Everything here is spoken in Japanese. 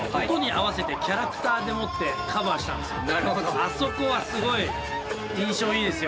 あそこはすごい印象いいですよ。